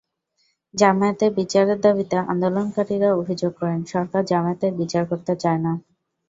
জামায়াতের বিচারের দাবিতে আন্দোলনকারীরা অভিযোগ করেন, সরকার জামায়াতের বিচার করতে চায় না।